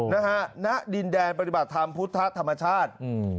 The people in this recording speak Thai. นะฮะณดินแดนปฏิบัติธรรมพุทธธรรมชาติอืม